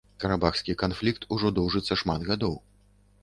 Карабахскі канфлікт ужо доўжыцца шмат гадоў.